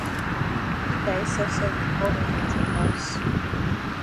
Peter yi sef sef be call me for chop haus.